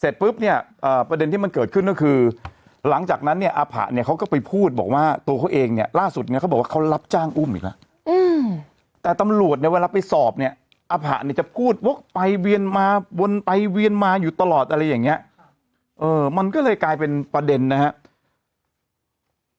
แต่ตำรวจเนี้ยเวลาไปสอบเนี้ยอภาคเนี้ยจะพูดว่าไปเวียนมาบนไปเวียนมาอยู่ตลอดอะไรอย่างเงี้ยเออมันก็เลยกลายเป็นประเด็นนะฮะ